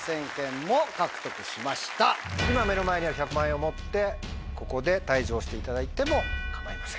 今目の前にある１００万円を持ってここで退場していただいても構いません。